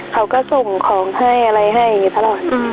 เขาก็ส่งของให้อะไรให้อย่างนี้ตลอด